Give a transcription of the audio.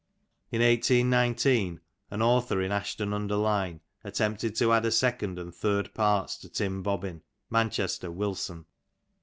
In 1819, an author in Ashton under Lyne attempted to add second and third parts to Tim Sobbin (Manchester, Wilson).